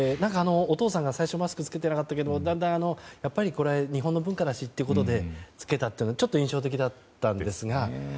お父さんが最初マスクを着けていなかったけどだんだん、やっぱりこれは日本の文化だしということで着けたっていうのが、ちょっと印象的だったんですが。